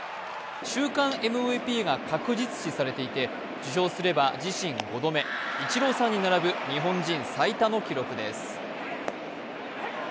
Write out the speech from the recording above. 週間ＭＶＰが確実視されていて受賞すれば自身５度目、イチローさんに並ぶ日本人最多の記録です。